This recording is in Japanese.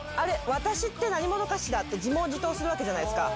私って何者かしら？って自問自答するじゃないですか。